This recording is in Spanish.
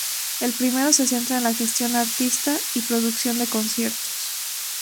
El primero se centra en la gestión artista y producción de conciertos.